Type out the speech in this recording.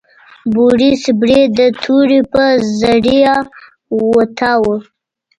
بوریس برید د تورې په ذریعه وتاوه.